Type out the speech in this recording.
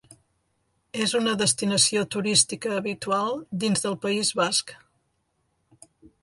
És una destinació turística habitual dins del País Basc.